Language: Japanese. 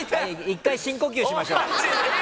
一回深呼吸しましょう。